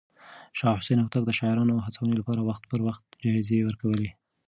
شاه حسين هوتک د شاعرانو هڅونې لپاره وخت پر وخت جايزې ورکولې.